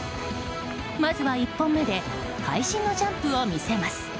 まずは１本目で会心のジャンプを見せます。